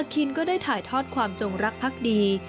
คินก็ได้ถ่ายทอดความจงรักพักดี